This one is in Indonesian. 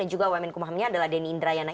dan juga wemenkumhamnya adalah denny indrayana